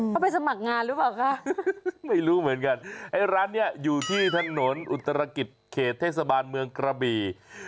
เขาไปสมัครงานหรือเปล่าคะไม่รู้เหมือนกันไอ้ร้านนี้อยู่ที่ถนนอุตรกิจเขตเทศบาลเมืองกระบี่